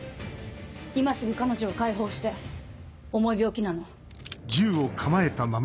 今すぐ彼女を解放して重い病気なの。